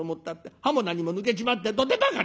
歯も何も抜けちまって土手ばかり」。